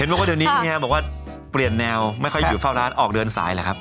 บอกว่าเดี๋ยวนี้เฮียบอกว่าเปลี่ยนแนวไม่ค่อยอยู่เฝ้าร้านออกเดินสายแหละครับ